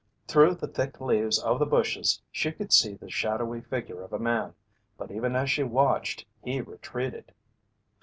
Through the thick leaves of the bushes she could see the shadowy figure of a man. But even as she watched, he retreated.